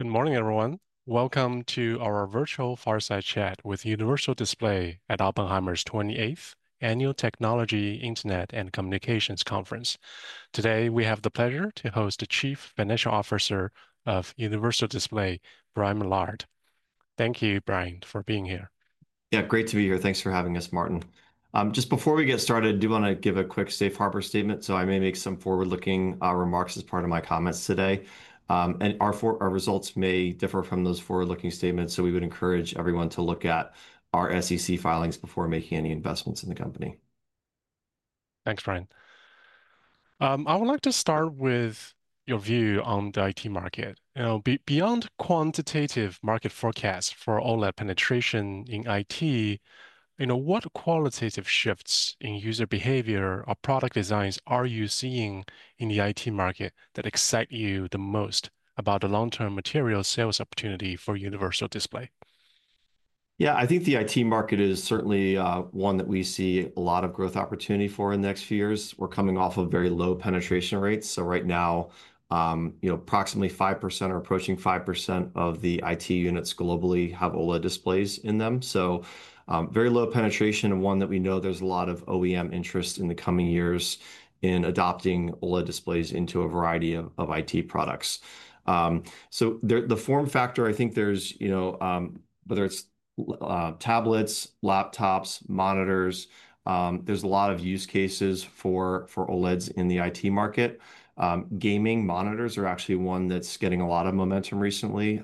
Good morning, everyone. Welcome to our virtual fireside chat with Universal Display Corporation at Oppenheimer's 28th Annual Technology, Internet, and Communications Conference. Today, we have the pleasure to host the Chief Financial Officer of Universal Display, Brian Millard. Thank you, Brian, for being here. Yeah, great to be here. Thanks for having us, Martin. Just before we get started, I do want to give a quick safe harbor statement. I may make some forward-looking remarks as part of my comments today, and our results may differ from those forward-looking statements. We would encourage everyone to look at our SEC filings before making any investments in the company. Thanks, Brian. I would like to start with your view on the IT market. Beyond quantitative market forecasts for OLED penetration in IT, what qualitative shifts in user behavior or product designs are you seeing in the IT market that excite you the most about the long-term material sales opportunity for Universal Display? Yeah, I think the IT market is certainly one that we see a lot of growth opportunity for in the next few years. We're coming off of very low penetration rates. Right now, approximately 5% or approaching 5% of the IT units globally have OLED displays in them. Very low penetration, and one that we know there's a lot of OEM interest in the coming years in adopting OLED displays into a variety of IT products. The form factor, I think there's, whether it's tablets, laptops, monitors, there's a lot of use cases for OLEDs in the IT market. Gaming monitors are actually one that's getting a lot of momentum recently.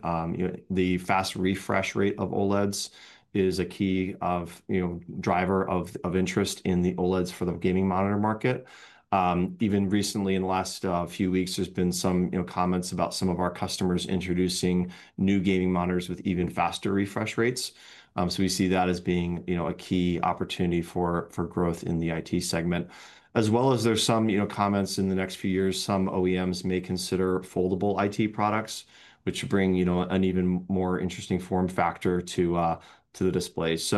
The fast refresh rate of OLEDs is a key driver of interest in the OLEDs for the gaming monitor market. Even recently, in the last few weeks, there's been some comments about some of our customers introducing new gaming monitors with even faster refresh rates. We see that as being a key opportunity for growth in the IT segment. There are also some comments that in the next few years, some OEMs may consider foldable IT products, which bring an even more interesting form factor to the displays.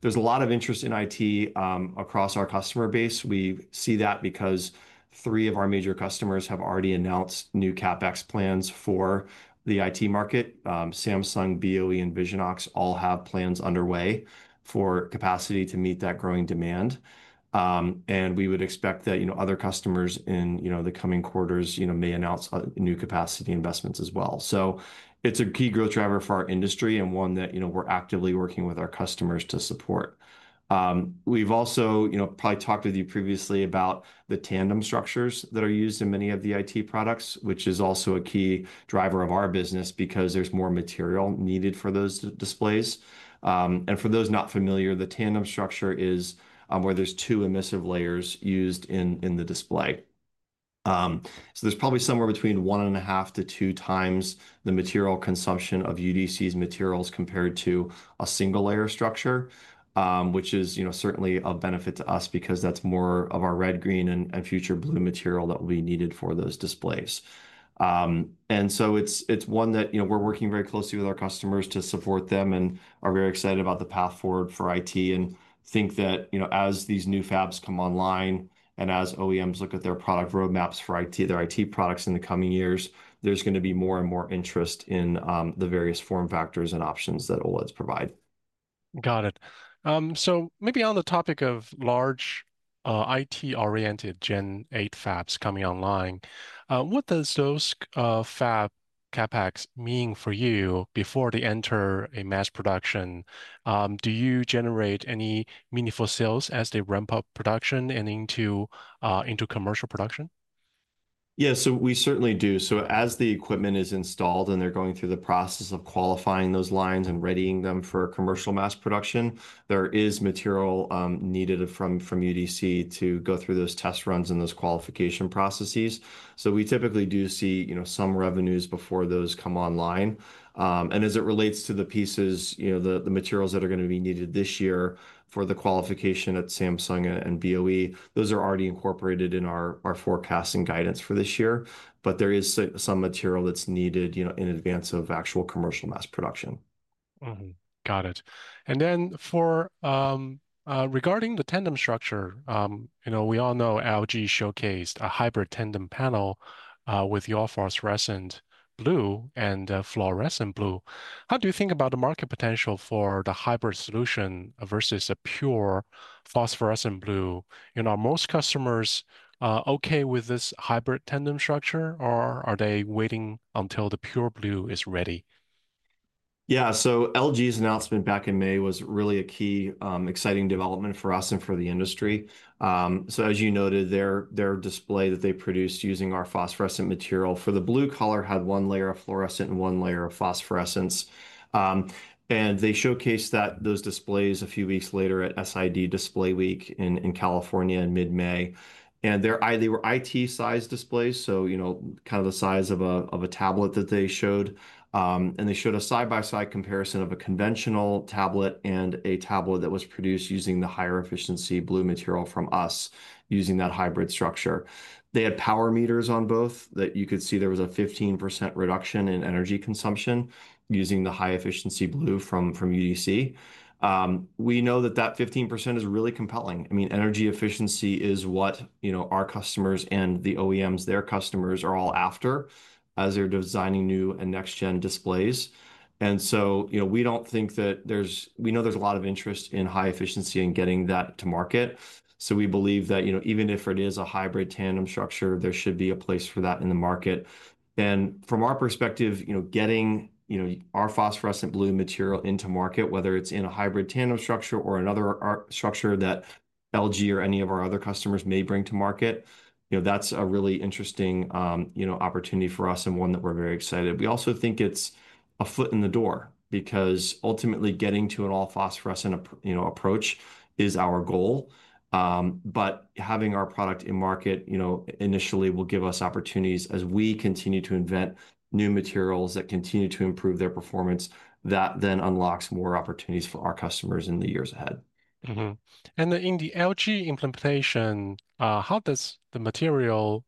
There's a lot of interest in IT across our customer base. We see that because three of our major customers have already announced new CapEx plans for the IT market. Samsung, BOE, and Visionox all have plans underway for capacity to meet that growing demand. We would expect that other customers in the coming quarters may announce new capacity investments as well. It's a key growth driver for our industry and one that we're actively working with our customers to support. We've also probably talked with you previously about the tandem structures that are used in many of the IT products, which is also a key driver of our business because there's more material needed for those displays. For those not familiar, the tandem structure is where there's two emissive layers used in the display. There's probably somewhere between 1.5x-2x the material consumption of UDC's materials compared to a single layer structure, which is certainly a benefit to us because that's more of our red, green, and future blue material that will be needed for those displays. It's one that we're working very closely with our customers to support them and are very excited about the path forward for IT and think that as these new fabs come online and as OEMs look at their product roadmaps for their IT products in the coming years, there's going to be more and more interest in the various form factors and options that OLEDs provide. On the topic of large IT-oriented Gen 8 fabs coming online, what does those fab CapEx mean for you before they enter mass production? Do you generate any meaningful sales as they ramp up production and into commercial production? Yeah, we certainly do. As the equipment is installed and they're going through the process of qualifying those lines and readying them for commercial mass production, there is material needed from UDC to go through those test runs and those qualification processes. We typically do see some revenues before those come online. As it relates to the pieces, the materials that are going to be needed this year for the qualification at Samsung and BOE, those are already incorporated in our forecasting guidance for this year. There is some material that's needed in advance of actual commercial mass production. Got it. Regarding the tandem structure, we all know LG showcased a hybrid tandem panel with your phosphorescent blue and fluorescent blue. How do you think about the market potential for the hybrid solution versus a pure phosphorescent blue? Are most customers OK with this hybrid tandem structure, or are they waiting until the pure blue is ready? Yeah, LG's announcement back in May was really a key exciting development for us and for the industry. As you noted, their display that they produced using our phosphorescent material for the blue color had one layer of fluorescent and one layer of phosphorescence. They showcased those displays a few weeks later at SID Display Week in California in mid-May. They were IT-sized displays, kind of the size of a tablet that they showed. They showed a side-by-side comparison of a conventional tablet and a tablet that was produced using the higher efficiency blue material from us using that hybrid structure. They had power meters on both, and you could see there was a 15% reduction in energy consumption using the high efficiency blue from UDC. We know that 15% is really compelling. Energy efficiency is what our customers and the OEMs, their customers, are all after as they're designing new and next-gen displays. We know there's a lot of interest in high efficiency and getting that to market. We believe that even if it is a hybrid tandem structure, there should be a place for that in the market. From our perspective, getting our phosphorescent blue material into market, whether it's in a hybrid tandem structure or another structure that LG or any of our other customers may bring to market, that's a really interesting opportunity for us and one that we're very excited about. We also think it's a foot in the door because ultimately getting to an all-phosphorescent approach is our goal. Having our product in market initially will give us opportunities as we continue to invent new materials that continue to improve their performance. That then unlocks more opportunities for our customers in the years ahead. In the LG implementation, how does the material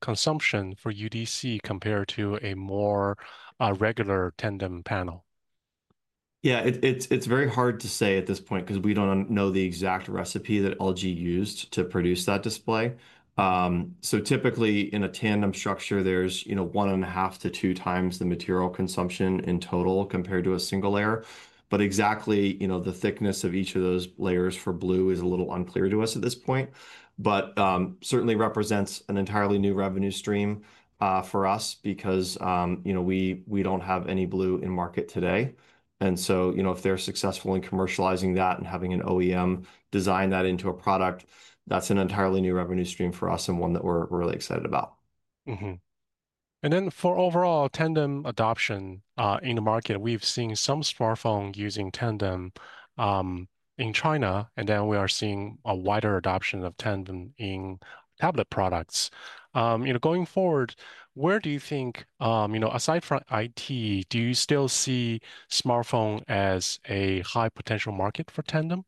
consumption for UDC compare to a more regular tandem panel? Yeah, it's very hard to say at this point because we don't know the exact recipe that LG used to produce that display. Typically, in a tandem structure, there's 1.5x-2x the material consumption in total compared to a single layer. Exactly the thickness of each of those layers for blue is a little unclear to us at this point. It certainly represents an entirely new revenue stream for us because we don't have any blue in market today. If they're successful in commercializing that and having an OEM design that into a product, that's an entirely new revenue stream for us and one that we're really excited about. For overall tandem adoption in the market, we've seen some smartphones using tandem in China, and we are seeing a wider adoption of tandem in tablet products. Going forward, where do you think, aside from IT, do you still see smartphone as a high potential market for tandem?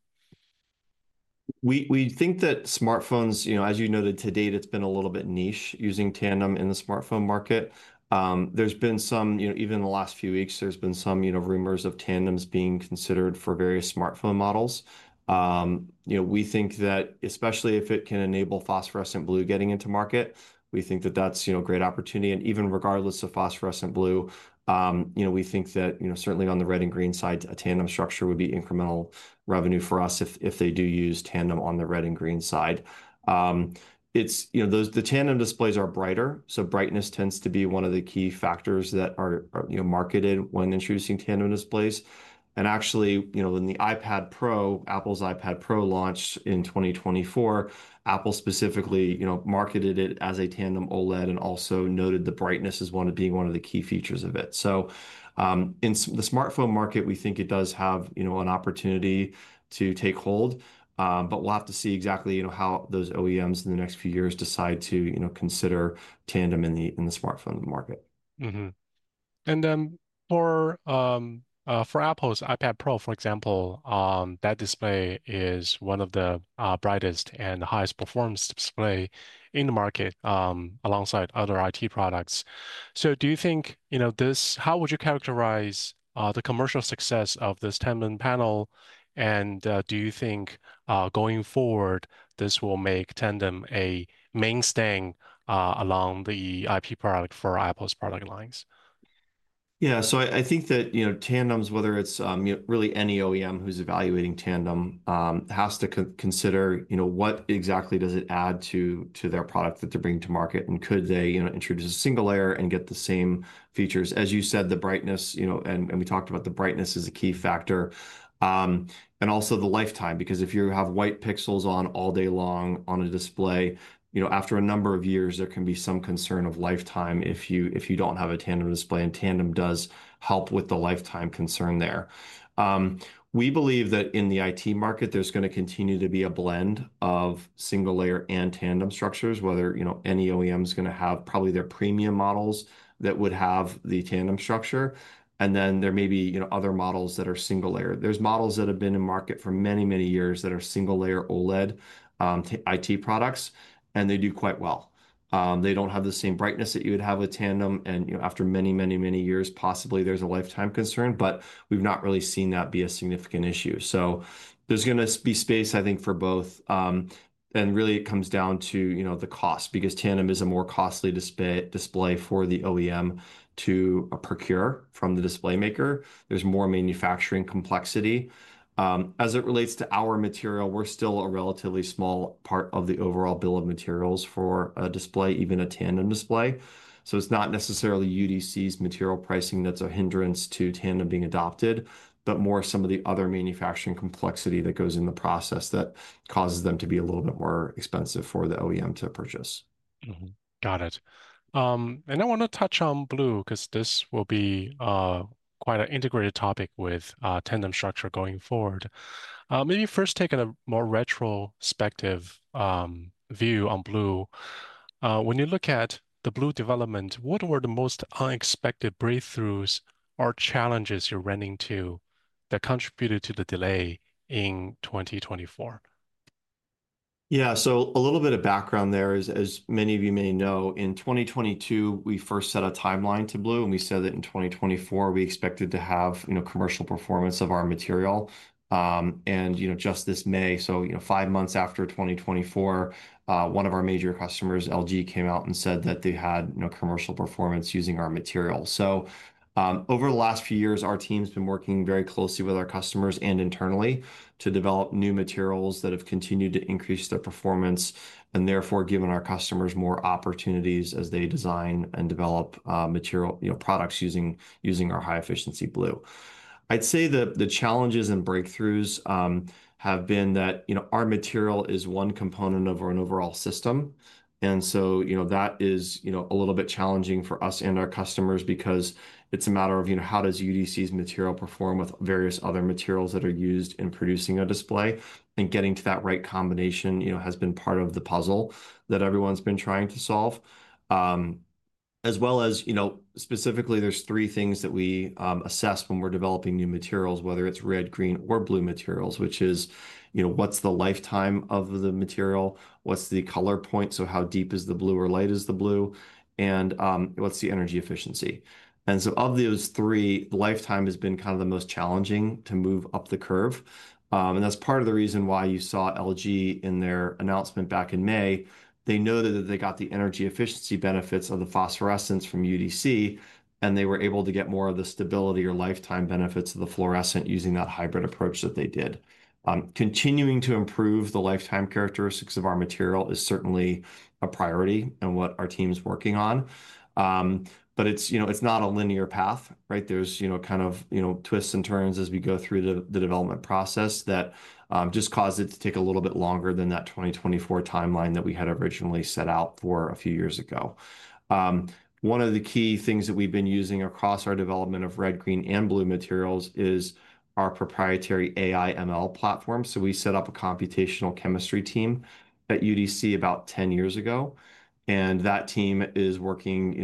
We think that smartphones, as you noted today, it's been a little bit niche using tandem in the smartphone market. There's been some, even in the last few weeks, there's been some rumors of tandems being considered for various smartphone models. We think that especially if it can enable phosphorescent blue getting into market, we think that that's a great opportunity. Even regardless of phosphorescent blue, we think that certainly on the red and green sides, a tandem structure would be incremental revenue for us if they do use tandem on the red and green side. The tandem displays are brighter, so brightness tends to be one of the key factors that are marketed when introducing tandem displays. Actually, when the iPad Pro, Apple's iPad Pro, launched in 2024, Apple specifically marketed it as a tandem OLED and also noted the brightness as being one of the key features of it. In the smartphone market, we think it does have an opportunity to take hold. We'll have to see exactly how those OEMs in the next few years decide to consider tandem in the smartphone market. For Apple's iPad Pro, for example, that display is one of the brightest and highest-performance displays in the market alongside other IT products. How would you characterize the commercial success of this tandem panel? Do you think going forward, this will make tandem a mainstay among the IT products for Apple's product lines? Yeah, I think that tandems, whether it's really any OEM who's evaluating tandem, has to consider what exactly does it add to their product that they're bringing to market. Could they introduce a single layer and get the same features? As you said, the brightness, and we talked about the brightness as a key factor. Also the lifetime, because if you have white pixels on all day long on a display, after a number of years, there can be some concern of lifetime if you don't have a tandem display. Tandem does help with the lifetime concern there. We believe that in the IT market, there's going to continue to be a blend of single layer and tandem structures, whether any OEM is going to have probably their premium models that would have the tandem structure. There may be other models that are single layer. There are models that have been in market for many, many years that are single layer OLED IT products, and they do quite well. They don't have the same brightness that you would have with tandem. After many, many, many years, possibly there's a lifetime concern, but we've not really seen that be a significant issue. There's going to be space, I think, for both. It comes down to the cost, because tandem is a more costly display for the OEM to procure from the display maker. There's more manufacturing complexity. As it relates to our material, we're still a relatively small part of the overall bill of materials for a display, even a tandem display. It's not necessarily UDC's material pricing that's a hindrance to tandem being adopted, but more some of the other manufacturing complexity that goes in the process that causes them to be a little bit more expensive for the OEM to purchase. Got it. I want to touch on blue, because this will be quite an integrated topic with tandem structure going forward. Maybe first taking a more retrospective view on blue. When you look at the blue development, what were the most unexpected breakthroughs or challenges you ran into that contributed to the delay in 2024? Yeah, so a little bit of background there. As many of you may know, in 2022, we first set a timeline to blue, and we said that in 2024, we expected to have commercial performance of our material. Just this May, five months after 2024, one of our major customers, LG, came out and said that they had commercial performance using our material. Over the last few years, our team's been working very closely with our customers and internally to develop new materials that have continued to increase their performance and therefore given our customers more opportunities as they design and develop products using our high efficiency blue. I'd say that the challenges and breakthroughs have been that our material is one component of our overall system. That is a little bit challenging for us and our customers because it's a matter of how does UDC's material perform with various other materials that are used in producing a display. Getting to that right combination has been part of the puzzle that everyone's been trying to solve. Specifically, there are three things that we assess when we're developing new materials, whether it's red, green, or blue materials, which is what's the lifetime of the material, what's the color point, so how deep is the blue or light is the blue, and what's the energy efficiency. Of those three, lifetime has been kind of the most challenging to move up the curve. That's part of the reason why you saw LG in their announcement back in May. They noted that they got the energy efficiency benefits of the phosphorescence from UDC, and they were able to get more of the stability or lifetime benefits of the fluorescent using that hybrid approach that they did. Continuing to improve the lifetime characteristics of our material is certainly a priority and what our team's working on. It's not a linear path. There are kind of twists and turns as we go through the development process that just cause it to take a little bit longer than that 2024 timeline that we had originally set out for a few years ago. One of the key things that we've been using across our development of red, green, and blue materials is our proprietary AI/ML platform. We set up a computational chemistry team at UDC about 10 years ago. That team is working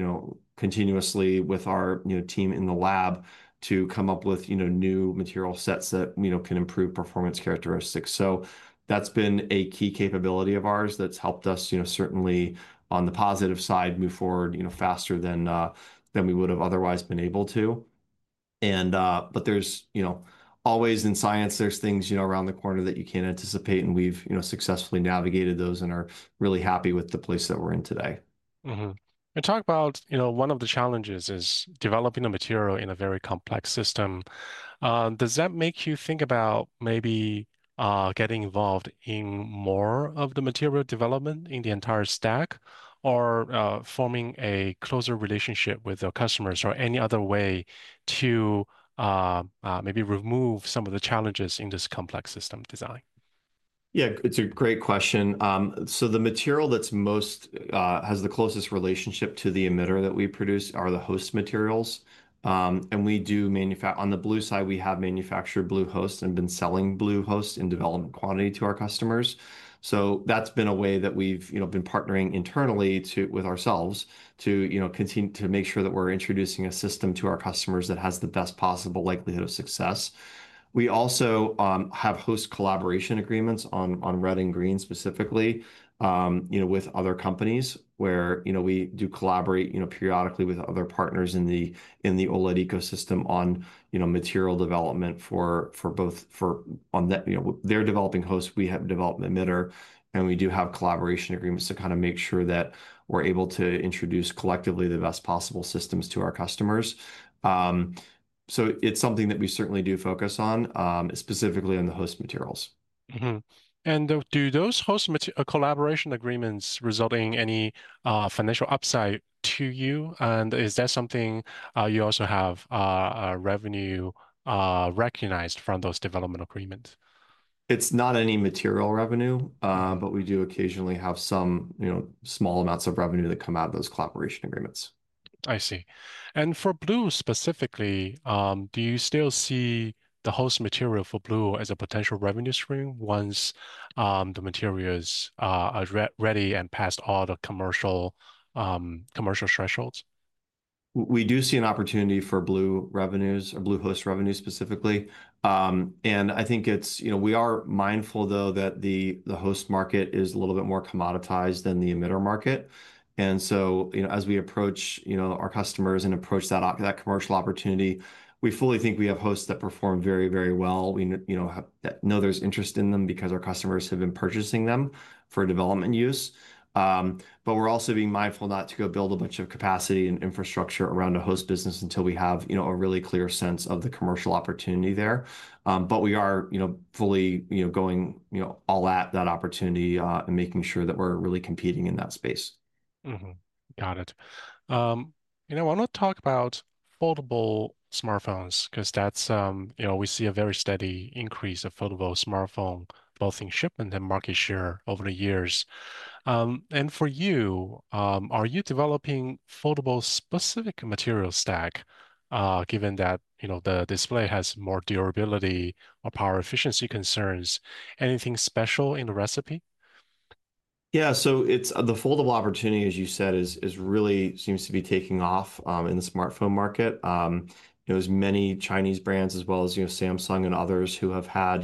continuously with our team in the lab to come up with new material sets that can improve performance characteristics. That's been a key capability of ours that's helped us certainly, on the positive side, move forward faster than we would have otherwise been able to. There are always, in science, things around the corner that you can't anticipate. We've successfully navigated those and are really happy with the place that we're in today. I talk about one of the challenges is developing a material in a very complex system. Does that make you think about maybe getting involved in more of the material development in the entire stack, or forming a closer relationship with our customers, or any other way to maybe remove some of the challenges in this complex system design? Yeah, it's a great question. The material that has the closest relationship to the emitter that we produce are the host materials. We do, on the blue side, we have manufactured blue hosts and been selling blue hosts in development quantity to our customers. That's been a way that we've been partnering internally with ourselves to make sure that we're introducing a system to our customers that has the best possible likelihood of success. We also have host collaboration agreements on red and green specifically with other companies where we do collaborate periodically with other partners in the OLED ecosystem on material development for both. They're developing hosts, we have development emitter, and we do have collaboration agreements to kind of make sure that we're able to introduce collectively the best possible systems to our customers. It's something that we certainly do focus on, specifically on the host materials. Do those host collaboration agreements result in any financial upside to you? Is that something you also have revenue recognized from those development agreements? It's not any material revenue, but we do occasionally have some small amounts of revenue that come out of those collaboration agreements. I see. For blue specifically, do you still see the host material for blue as a potential revenue stream once the material is ready and passed all the commercial thresholds? We do see an opportunity for blue revenues, or blue host revenue specifically. I think we are mindful, though, that the host market is a little bit more commoditized than the emitter market. As we approach our customers and approach that commercial opportunity, we fully think we have hosts that perform very, very well. We know there's interest in them because our customers have been purchasing them for development use. We are also being mindful not to go build a bunch of capacity and infrastructure around a host business until we have a really clear sense of the commercial opportunity there. We are fully going all at that opportunity and making sure that we're really competing in that space. Got it. I want to talk about foldable smartphones because we see a very steady increase of foldable smartphones, both in shipment and market share over the years. For you, are you developing a foldable-specific material stack given that the display has more durability or power efficiency concerns? Anything special in the recipe? Yeah, so the foldable opportunity, as you said, really seems to be taking off in the smartphone market. There are many Chinese brands, as well as Samsung and others, who have had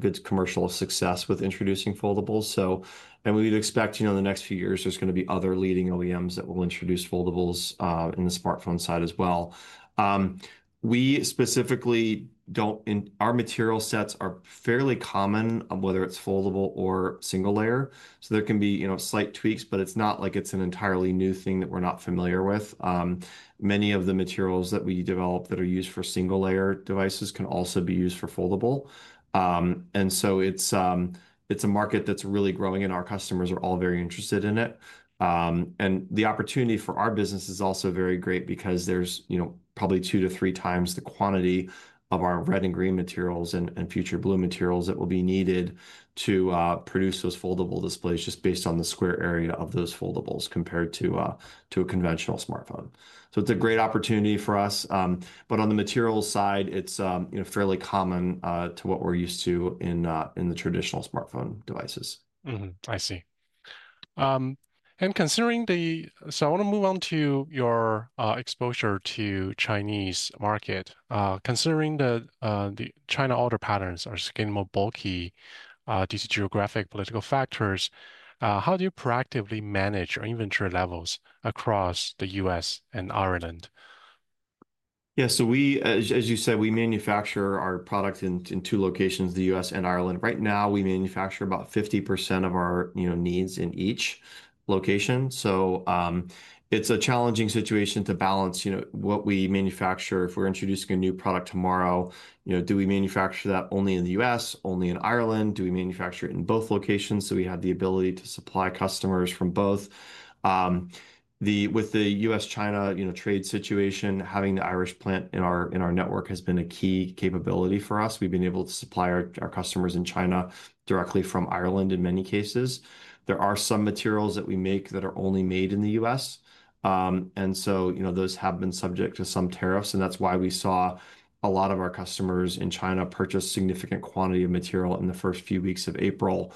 good commercial success with introducing foldables. We would expect in the next few years, there are going to be other leading OEMs that will introduce foldables in the smartphone side as well. We specifically don't, our material sets are fairly common, whether it's foldable or single layer. There can be slight tweaks, but it's not like it's an entirely new thing that we're not familiar with. Many of the materials that we develop that are used for single layer devices can also be used for foldable. It's a market that's really growing, and our customers are all very interested in it. The opportunity for our business is also very great because there's probably 2x-3x the quantity of our red and green materials and future blue materials that will be needed to produce those foldable displays just based on the square area of those foldables compared to a conventional smartphone. It's a great opportunity for us. On the material side, it's fairly common to what we're used to in the traditional smartphone devices. I see. I want to move on to your exposure to the Chinese market. Considering the China order patterns are getting more bulky due to geographic political factors, how do you proactively manage your inventory levels across the U.S. and Ireland? Yeah, as you said, we manufacture our products in two locations, the U.S. and Ireland. Right now, we manufacture about 50% of our needs in each location. It's a challenging situation to balance what we manufacture. If we're introducing a new product tomorrow, do we manufacture that only in the U.S., only in Ireland? Do we manufacture it in both locations so we have the ability to supply customers from both? With the U.S.-China trade situation, having the Irish plant in our network has been a key capability for us. We've been able to supply our customers in China directly from Ireland in many cases. There are some materials that we make that are only made in the U.S., and those have been subject to some tariffs. That's why we saw a lot of our customers in China purchase a significant quantity of material in the first few weeks of April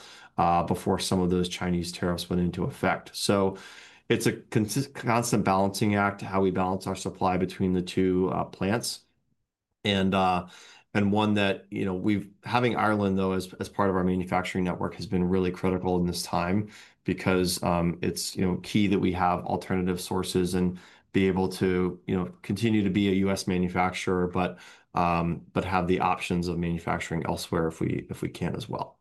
before some of those Chinese tariffs went into effect. It's a constant balancing act to how we balance our supply between the two plants. Having Ireland as part of our manufacturing network has been really critical in this time because it's key that we have alternative sources and be able to continue to be a U.S. manufacturer, but have the options of manufacturing elsewhere if we can as well.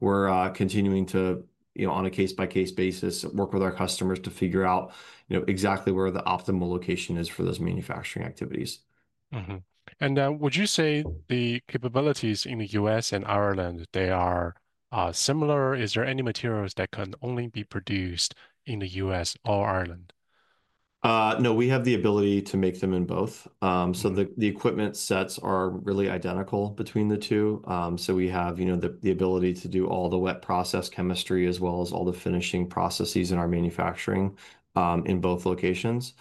We're continuing to, on a case-by-case basis, work with our customers to figure out exactly where the optimal location is for those manufacturing activities. Would you say the capabilities in the U.S. and Ireland, they are similar? Is there any materials that can only be produced in the U.S. or Ireland? No, we have the ability to make them in both. The equipment sets are really identical between the two. We have the ability to do all the wet process chemistry as well as all the finishing processes in our manufacturing in both locations.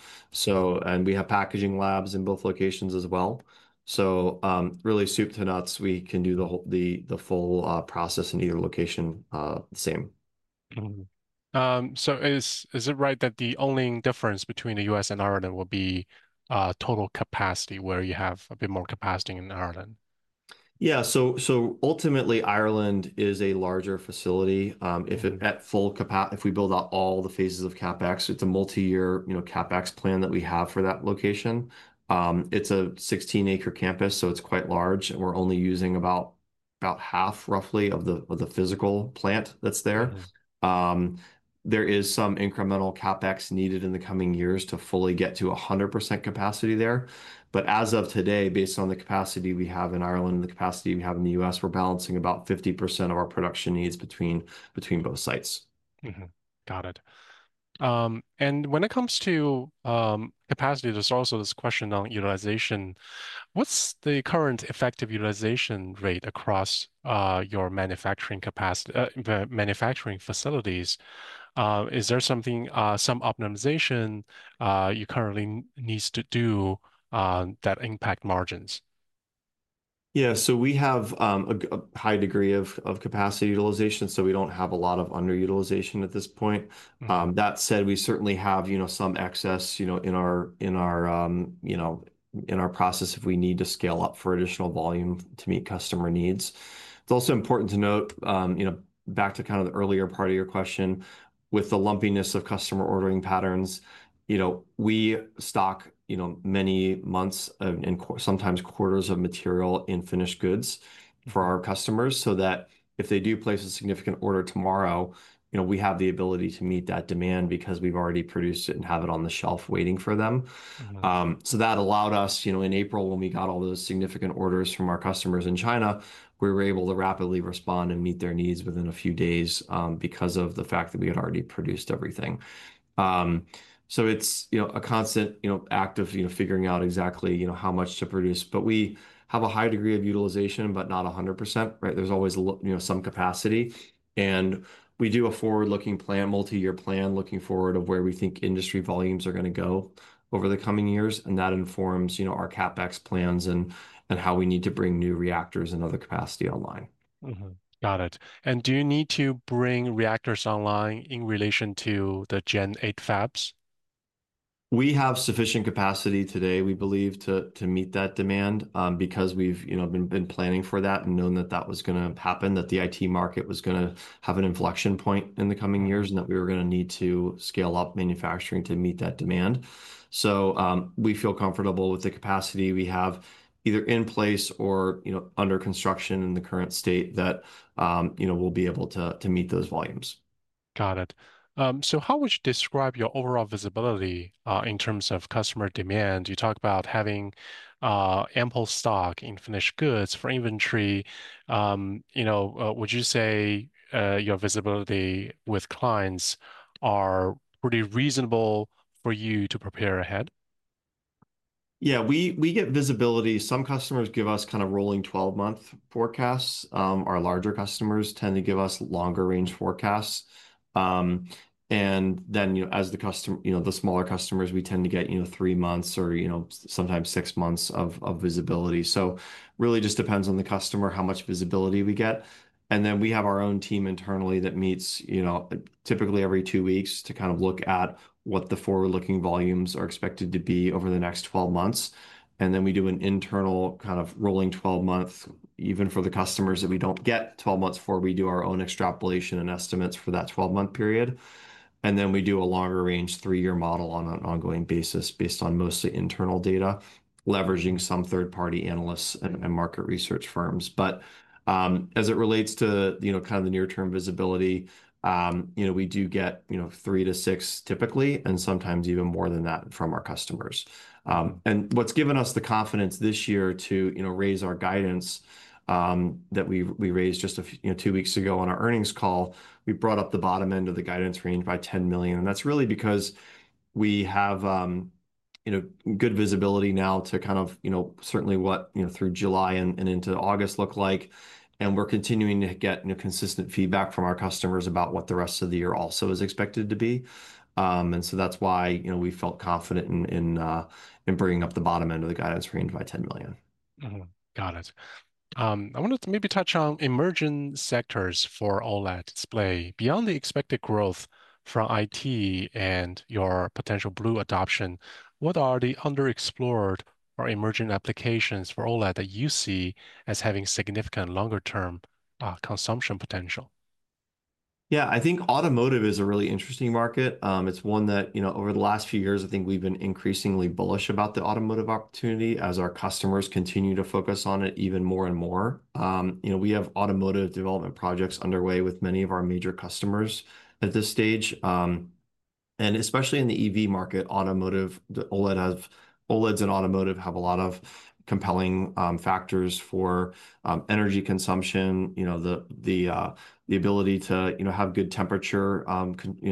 We have packaging labs in both locations as well. Really, soup to nuts, we can do the full process in either location the same. Is it right that the only difference between the U.S. and Ireland will be total capacity, where you have a bit more capacity in Ireland? Yeah, ultimately Ireland is a larger facility. If it met full capacity, if we build out all the phases of CapEx, it's a multi-year CapEx plan that we have for that location. It's a 16-acre campus, so it's quite large. We're only using about half, roughly, of the physical plant that's there. There is some incremental CapEx needed in the coming years to fully get to 100% capacity there. As of today, based on the capacity we have in Ireland and the capacity we have in the U.S., we're balancing about 50% of our production needs between both sites. Got it. When it comes to capacity, there's also this question on utilization. What's the current effective utilization rate across your manufacturing facilities? Is there some optimization you currently need to do that impacts margins? Yeah, so we have a high degree of capacity utilization, so we don't have a lot of underutilization at this point. That said, we certainly have some excess in our process if we need to scale up for additional volume to meet customer needs. It's also important to note, back to kind of the earlier part of your question, with the lumpiness of customer ordering patterns, we stock many months and sometimes quarters of material in finished goods for our customers so that if they do place a significant order tomorrow, we have the ability to meet that demand because we've already produced it and have it on the shelf waiting for them. That allowed us, in April, when we got all those significant orders from our customers in China, we were able to rapidly respond and meet their needs within a few days because of the fact that we had already produced everything. It's a constant act of figuring out exactly how much to produce. We have a high degree of utilization, but not 100%. There's always some capacity. We do a forward-looking plan, multi-year plan, looking forward to where we think industry volumes are going to go over the coming years. That informs our CapEx plans and how we need to bring new reactors and other capacity online. Got it. Do you need to bring reactors online in relation to the Gen 8 fabs? We have sufficient capacity today, we believe, to meet that demand because we've been planning for that and known that that was going to happen, that the IT market was going to have an inflection point in the coming years and that we were going to need to scale up manufacturing to meet that demand. We feel comfortable with the capacity we have either in place or under construction in the current state that we'll be able to meet those volumes. Got it. How would you describe your overall visibility in terms of customer demand? You talk about having ample stock in finished goods for inventory. Would you say your visibility with clients is pretty reasonable for you to prepare ahead? Yeah, we get visibility. Some customers give us kind of rolling 12-month forecasts. Our larger customers tend to give us longer-range forecasts. As the smaller customers, we tend to get three months or sometimes six months of visibility. It really just depends on the customer how much visibility we get. We have our own team internally that meets typically every two weeks to kind of look at what the forward-looking volumes are expected to be over the next 12 months. We do an internal kind of rolling 12 months, even for the customers that we don't get 12 months for. We do our own extrapolation and estimates for that 12-month period. We do a longer-range three-year model on an ongoing basis based on mostly internal data, leveraging some third-party analysts and market research firms. As it relates to kind of the near-term visibility, we do get three to six typically, and sometimes even more than that from our customers. What's given us the confidence this year to raise our guidance that we raised just two weeks ago on our earnings call, we brought up the bottom end of the guidance range by $10 million. That's really because we have good visibility now to kind of certainly what through July and into August look like. We're continuing to get consistent feedback from our customers about what the rest of the year also is expected to be. That's why we felt confident in bringing up the bottom end of the guidance range by $10 million. Got it. I want to maybe touch on emerging sectors for OLED display. Beyond the expected growth from IT and your potential blue adoption, what are the underexplored or emerging applications for OLED that you see as having significant longer-term consumption potential? Yeah, I think automotive is a really interesting market. It's one that over the last few years, I think we've been increasingly bullish about the automotive opportunity as our customers continue to focus on it even more and more. We have automotive development projects underway with many of our major customers at this stage. Especially in the EV market, automotive, OLEDs and automotive have a lot of compelling factors for energy consumption, the ability to have good temperature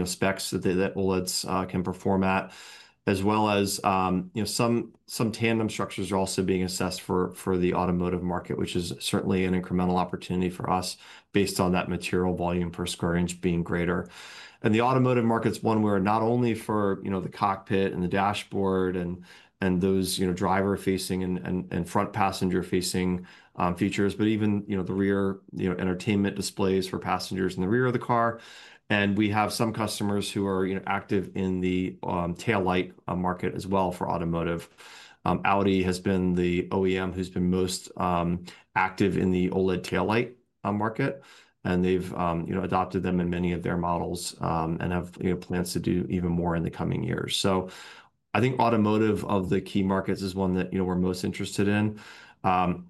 specs that OLEDs can perform at, as well as some tandem structures are also being assessed for the automotive market, which is certainly an incremental opportunity for us based on that material volume per square inch being greater. The automotive market's one where not only for the cockpit and the dashboard and those driver-facing and front passenger-facing features, but even the rear entertainment displays for passengers in the rear of the car. We have some customers who are active in the tail light market as well for automotive. Audi has been the OEM who's been most active in the OLED tail light market. They've adopted them in many of their models and have plans to do even more in the coming years. I think automotive of the key markets is one that we're most interested in.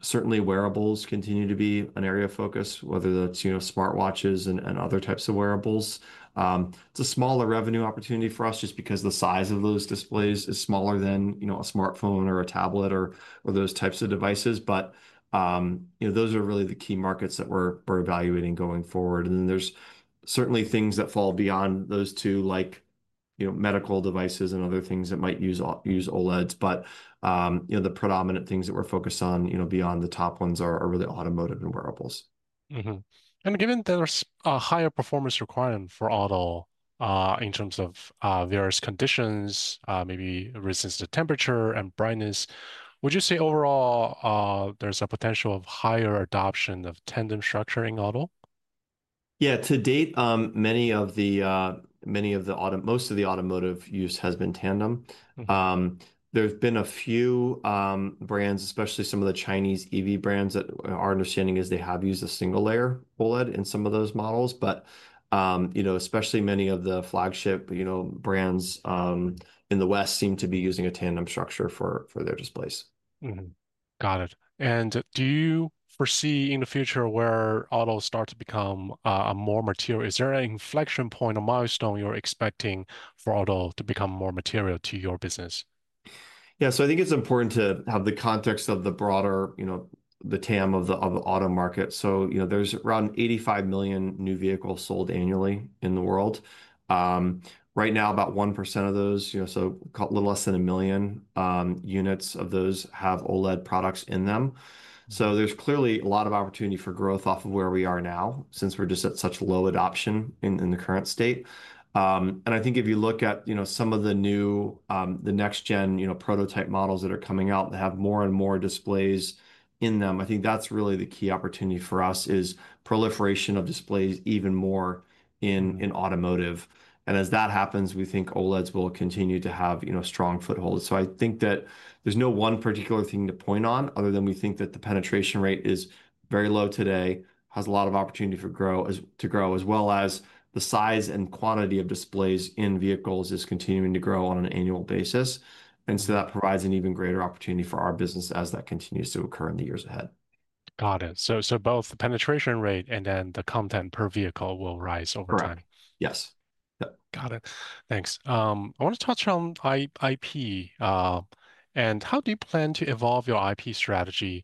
Certainly, wearables continue to be an area of focus, whether that's smartwatches and other types of wearables. It's a smaller revenue opportunity for us just because the size of those displays is smaller than a smartphone or a tablet or those types of devices. Those are really the key markets that we're evaluating going forward. There's certainly things that fall beyond those too, like medical devices and other things that might use OLEDs. The predominant things that we're focused on beyond the top ones are really automotive and wearables. Given there's a higher performance requirement for auto in terms of various conditions, maybe resistance to temperature and brightness, would you say overall there's a potential of higher adoption of tandem OLED structures in auto? Yeah, to date, many of the automotive use has been tandem. There have been a few brands, especially some of the Chinese EV brands, that our understanding is they have used a single layer OLED in some of those models. Especially many of the flagship brands in the West seem to be using a tandem structure for their displays. Got it. Do you foresee in the future where auto starts to become more material? Is there an inflection point or milestone you're expecting for auto to become more material to your business? Yeah, I think it's important to have the context of the broader TAM of the auto market. There's around 85 million new vehicles sold annually in the world. Right now, about 1% of those, so a little less than a million units, have OLED products in them. There's clearly a lot of opportunity for growth off of where we are now since we're just at such low adoption in the current state. If you look at some of the next-gen prototype models that are coming out that have more and more displays in them, I think that's really the key opportunity for us: proliferation of displays even more in automotive. As that happens, we think OLEDs will continue to have strong footholds. There's no one particular thing to point on other than we think that the penetration rate is very low today, has a lot of opportunity to grow, as well as the size and quantity of displays in vehicles is continuing to grow on an annual basis. That provides an even greater opportunity for our business as that continues to occur in the years ahead. Got it. Both the penetration rate and the content per vehicle will rise over time. Yes. Got it. Thanks. I want to touch on IP. How do you plan to evolve your IP strategy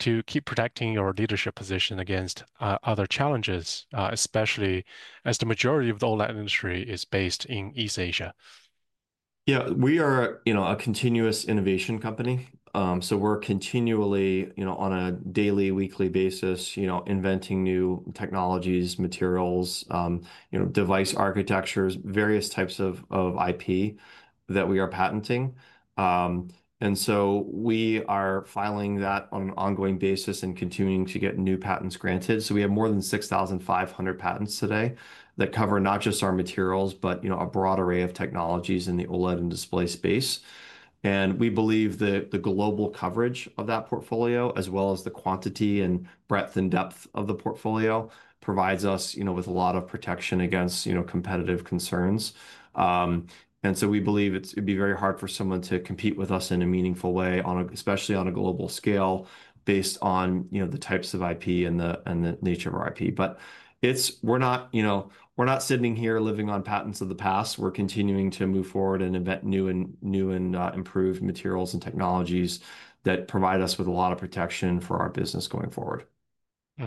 to keep protecting your leadership position against other challenges, especially as the majority of the OLED industry is based in East Asia? Yeah, we are a continuous innovation company. We're continually on a daily, weekly basis inventing new technologies, materials, device architectures, various types of IP that we are patenting. We are filing that on an ongoing basis and continuing to get new patents granted. We have more than 6,500 patents today that cover not just our materials, but a broad array of technologies in the OLED and display space. We believe that the global coverage of that portfolio, as well as the quantity and breadth and depth of the portfolio, provides us with a lot of protection against competitive concerns. We believe it'd be very hard for someone to compete with us in a meaningful way, especially on a global scale based on the types of IP and the nature of our IP. We're not sitting here living on patents of the past. We're continuing to move forward and invent new and improved materials and technologies that provide us with a lot of protection for our business going forward. I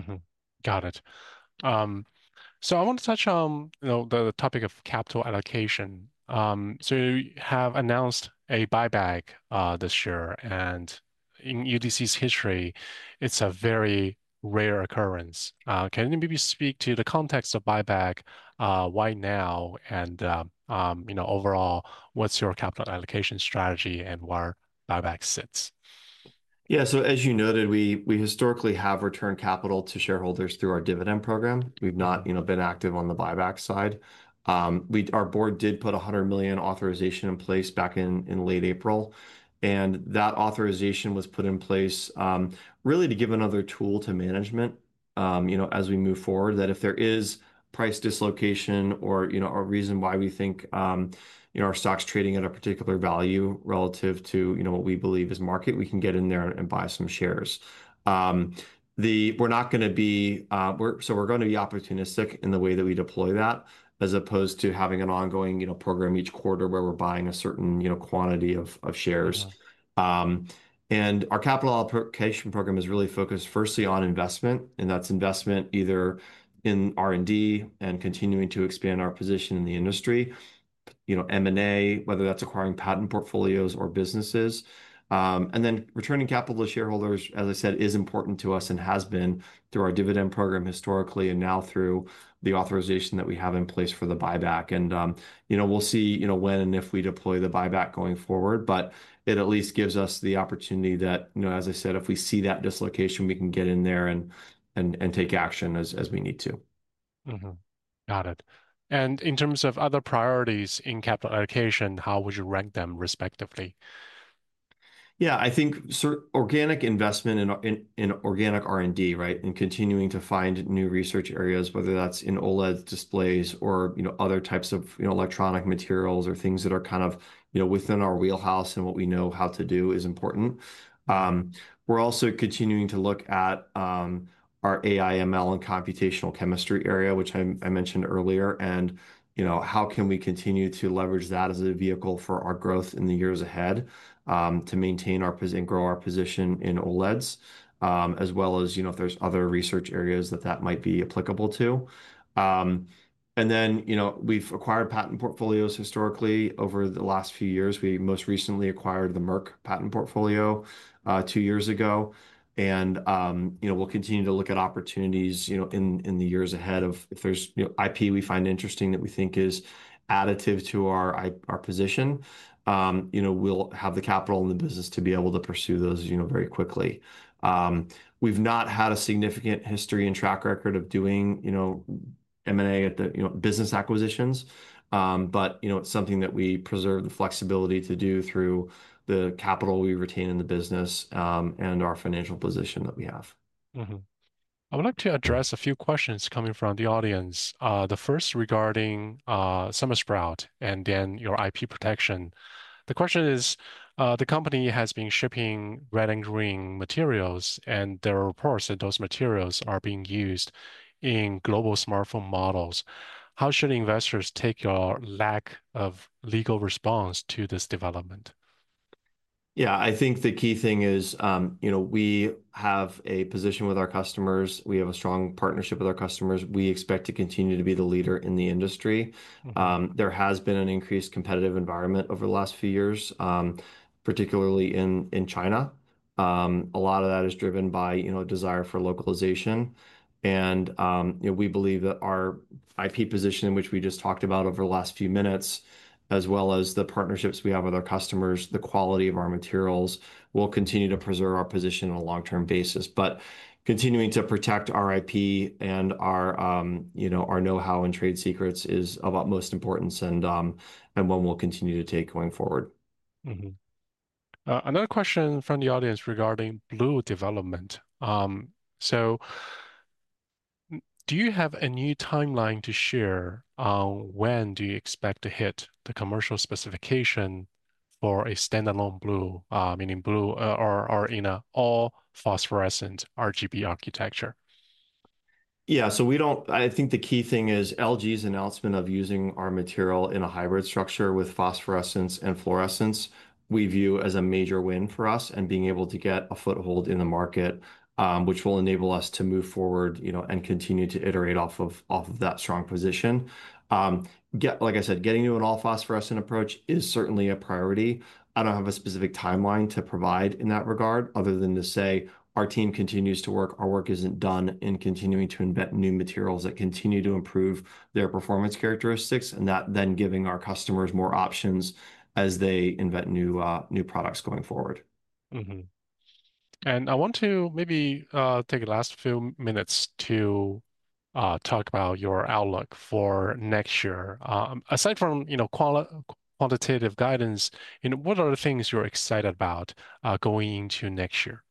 want to touch on the topic of capital allocation. You have announced a buyback this year. In UDC's history, it's a very rare occurrence. Can you maybe speak to the context of buyback, why now, and overall, what's your capital allocation strategy and where buyback sits? Yeah, as you noted, we historically have returned capital to shareholders through our dividend program. We've not been active on the buyback side. Our board did put a $100 million authorization in place back in late April. That authorization was put in place really to give another tool to management as we move forward, that if there is price dislocation or a reason why we think our stock's trading at a particular value relative to what we believe is market, we can get in there and buy some shares. We're going to be opportunistic in the way that we deploy that, as opposed to having an ongoing program each quarter where we're buying a certain quantity of shares. Our capital allocation program is really focused firstly on investment, and that's investment either in R&D and continuing to expand our position in the industry, M&A, whether that's acquiring patent portfolios or businesses. Returning capital to shareholders, as I said, is important to us and has been through our dividend program historically and now through the authorization that we have in place for the buyback. We'll see when and if we deploy the buyback going forward, but it at least gives us the opportunity that, as I said, if we see that dislocation, we can get in there and take action as we need to. Got it. In terms of other priorities in capital allocation, how would you rank them respectively? Yeah, I think organic investment in organic R&D and continuing to find new research areas, whether that's in OLED displays or other types of electronic materials or things that are kind of within our wheelhouse and what we know how to do is important. We're also continuing to look at our AI/ML-driven material discovery and computational chemistry area, which I mentioned earlier, and how can we continue to leverage that as a vehicle for our growth in the years ahead to maintain and grow our position in OLEDs, as well as if there's other research areas that that might be applicable to. We've acquired patent portfolios historically over the last few years. We most recently acquired the Merck patent portfolio two years ago. We'll continue to look at opportunities in the years ahead. If there's IP we find interesting that we think is additive to our position, we'll have the capital in the business to be able to pursue those very quickly. We've not had a significant history and track record of doing M&A at the business acquisitions, but it's something that we preserve the flexibility to do through the capital we retain in the business and our financial position that we have. I would like to address a few questions coming from the audience. The first regarding SemiSprout and then your IP protection. The question is, the company has been shipping red and green materials, and there are reports that those materials are being used in global smartphone models. How should investors take your lack of legal response to this development? Yeah, I think the key thing is we have a position with our customers. We have a strong partnership with our customers. We expect to continue to be the leader in the industry. There has been an increased competitive environment over the last few years, particularly in China. A lot of that is driven by a desire for localization. We believe that our IP position, which we just talked about over the last few minutes, as well as the partnerships we have with our customers, the quality of our materials, will continue to preserve our position on a long-term basis. Continuing to protect our IP and our know-how and trade secrets is of utmost importance and one we'll continue to take going forward. Another question from the audience regarding blue development. Do you have a new timeline to share on when you expect to hit the commercial specification for a standalone blue, meaning blue or in an all-phosphorescent RGB architecture? We don't, I think the key thing is LG's announcement of using our material in a hybrid structure with phosphorescence and fluorescence, we view as a major win for us and being able to get a foothold in the market, which will enable us to move forward and continue to iterate off of that strong position. Like I said, getting to an all-phosphorescent approach is certainly a priority. I don't have a specific timeline to provide in that regard other than to say our team continues to work. Our work isn't done in continuing to invent new materials that continue to improve their performance characteristics and that then giving our customers more options as they invent new products going forward. I want to maybe take the last few minutes to talk about your outlook for next year. Aside from quantitative guidance, what are the things you're excited about going into next year?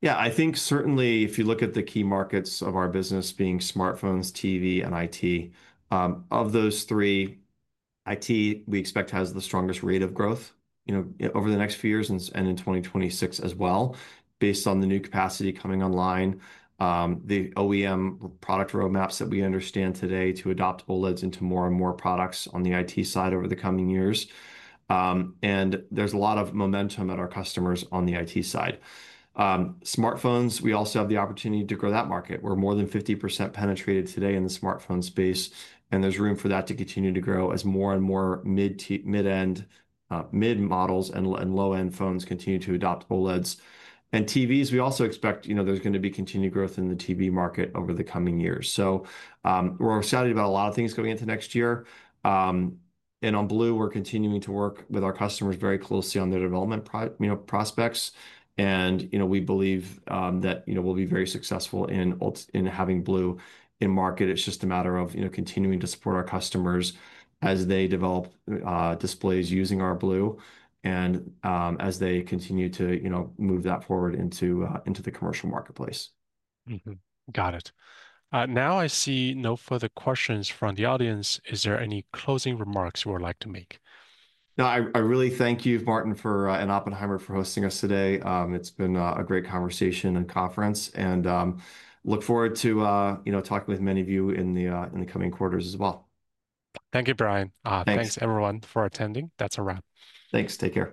Yeah, I think certainly if you look at the key markets of our business being smartphones, TV, and IT, of those three, IT we expect has the strongest rate of growth over the next few years and in 2026 as well. Based on the new capacity coming online, the OEM product roadmaps that we understand today to adopt OLEDs into more and more products on the IT side over the coming years, there's a lot of momentum at our customers on the IT side. Smartphones, we also have the opportunity to grow that market. We're more than 50% penetrated today in the smartphone space, and there's room for that to continue to grow as more and more mid-end, mid-models and low-end phones continue to adopt OLEDs. TVs, we also expect there's going to be continued growth in the TV market over the coming years. We're excited about a lot of things going into next year. On blue, we're continuing to work with our customers very closely on their development prospects, and we believe that we'll be very successful in having blue in market. It's just a matter of continuing to support our customers as they develop displays using our blue and as they continue to move that forward into the commercial marketplace. Got it. Now I see no further questions from the audience. Is there any closing remarks you would like to make? No, I really thank you, Martin, and Oppenheimer for hosting us today. It's been a great conversation and conference. I look forward to talking with many of you in the coming quarters as well. Thank you, Brian. Thanks, everyone, for attending. That's a wrap. Thanks. Take care.